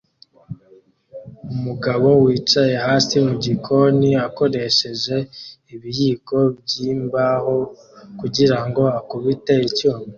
Umugabo wicaye hasi mugikoni akoresheje ibiyiko byimbaho kugirango akubite icyuma